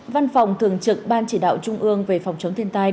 văn phòng thường trực ban chỉ đạo trung ương về phòng chống thiên tai